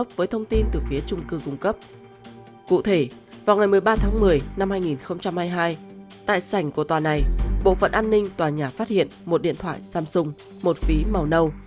bộ phận an ninh tòa nhà phát hiện một điện thoại samsung một phí màu nâu